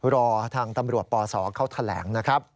รอทางตำรวจปศเขาแถลงนะครับ